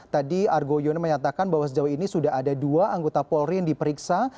tadi argo yuwono menyatakan bahwa sejauh ini sudah ada dua anggota polri yang diperiksa